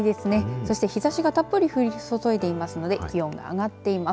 そして、日ざしがたっぷり降り注いでいますので気温が上がっています。